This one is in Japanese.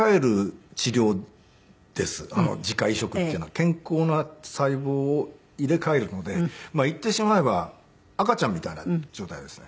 健康な細胞を入れ替えるので言ってしまえば赤ちゃんみたいな状態ですね。